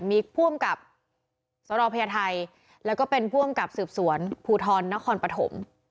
มีผู้อำกับสนพญาไทยแล้วก็เป็นผู้อำกับสืบสวนภูทรนครปฐม